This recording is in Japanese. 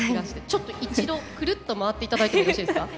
ちょっと一度くるっと回って頂いてもよろしいですか。